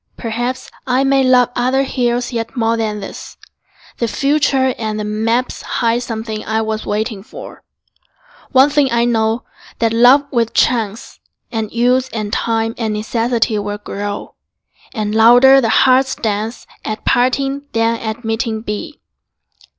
Perhaps I may love other hills yet more Than this: the future and the maps Hide something I was waiting for. One thing I know, that love with chance And use and time and necessity Will grow, and louder the heart's dance At parting than at meeting be.